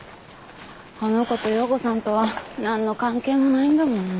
あの子と陽子さんとは何の関係もないんだもんね。